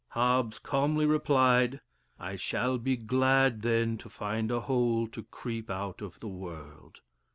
Hobbes calmly replied, "I shall be glad then to find a hole to creep out of the world."